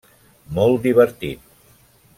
Molt divertit.